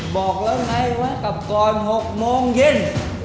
บอกแล้วไงวะกลับก่อน๖โมงเย็น